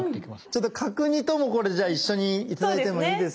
ちょっと角煮ともこれじゃあ一緒に頂いてもいいですか？